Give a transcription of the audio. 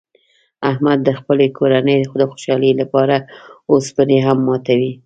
احمد د خپلې کورنۍ د خوشحالۍ لپاره اوسپنې هم ماتوي.